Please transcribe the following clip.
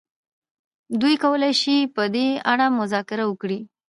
دوی کولای شي په دې اړه مذاکره وکړي.